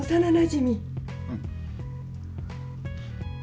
うん。